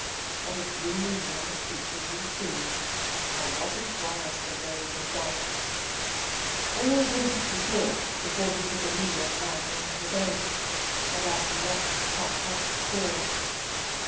What a blooming young creature you seem, and what a prize the rogue has got!" All this he thought, before he took Amelia's hand into his own, and as he let his cocked hat fall.